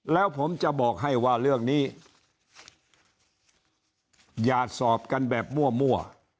แล้วผมจะบอกให้ว่าเรื่องนี้อย่าสอบกันแบบมั่ว